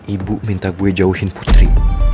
ibu minta gue jauhin putri